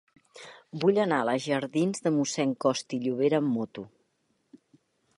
Vull anar a la jardins de Mossèn Costa i Llobera amb moto.